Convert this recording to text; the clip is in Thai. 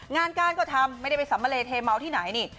งานการก็ทำไม่ได้ไปสัมมะเลเทเมาที่ไหนนี่